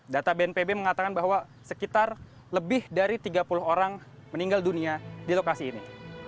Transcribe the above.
data bnpb mengatakan bahwa sekitar lebih dari tiga puluh orang meninggal dunia di lokasi ini